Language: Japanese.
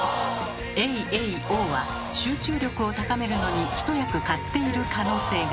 「エイエイオー」は集中力を高めるのに一役買っている可能性が。